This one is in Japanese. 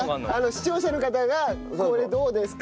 視聴者の方がこれどうですか？